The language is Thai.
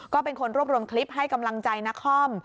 ก็เป็นคนรวบรวมคลิปให้กำลังใจนคร